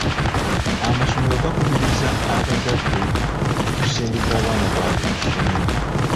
Amasomero gakubirizza abazadde okusindika abaana baabwe ku ssomero.